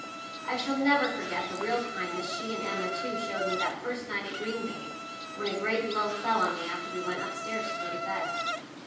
I shall never forget the real kindness she and Emma too showed me that first night at Green Bank, when a great blow fell on me after we went upstairs to go to bed.